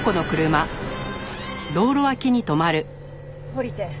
降りて。